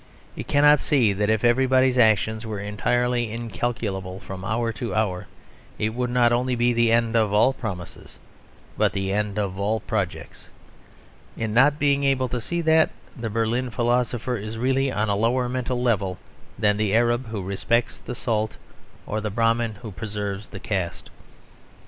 It cannot see that if everybody's action were entirely incalculable from hour to hour, it would not only be the end of all promises, but the end of all projects. In not being able to see that, the Berlin philosopher is really on a lower mental level than the Arab who respects the salt, or the Brahmin who preserves the caste.